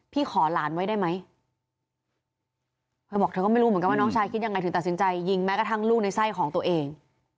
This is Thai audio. เธอก็ไม่รู้เหมือนกันว่าน้องชายคิดยังไงถึงตัดสินใจยิงแม้กระทั่งลูกในไส้ของตัวเอง